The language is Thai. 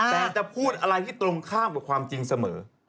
แต่จะพูดอะไรที่ตรงข้ามกับความจริงเสมอ